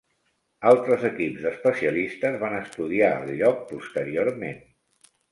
Altres equips d'especialistes van estudiar el lloc posteriorment.